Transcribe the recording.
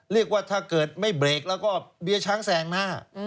เรียกว่าถ้าเกิดไม่เบรกแล้วก็เบียช้างแสงหน้า